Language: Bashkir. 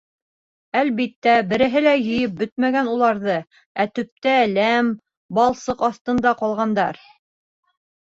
Әлбиттә, береһе лә йыйып бөтмәгән уларҙы, ә төптә — ләм, балсыҡ аҫтында — ҡалғандар.